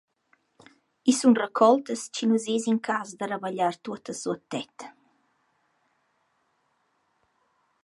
I sun racoltas chi nu s’es in cas da rabagliar tuottas suotta tet.